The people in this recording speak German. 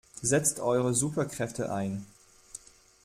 Setzt eure Superkräfte ein!